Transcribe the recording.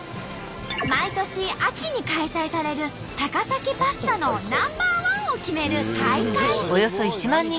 毎年秋に開催される高崎パスタのナンバーワンを決める大会。